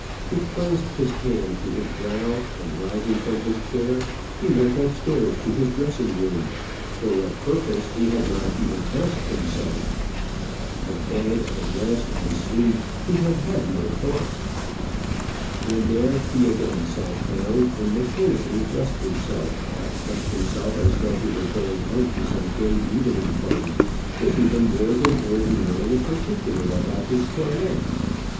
He clasped his hand to his brow, and rising from his chair, he went upstairs to his dressing room. For what purpose, he had not even asked himself. Of bed, and rest, and sleep he had had no thought. When there, he again sat down, and mechanically dressed himself dressed himself as though he were going out to some gay evening party was even more than ordinarily particular about his toilet.